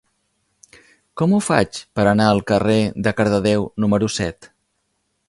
Com ho faig per anar al carrer de Cardedeu número set?